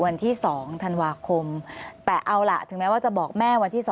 วันที่๒ธันวาคมแต่เอาล่ะถึงแม้ว่าจะบอกแม่วันที่๒